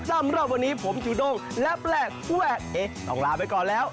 สำหรับวันนี้ผมจูด้งและแปลกแวกเอ๊ะต้องลาไปก่อนแล้ว